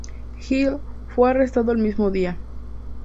Hill fue arrestado el mismo día.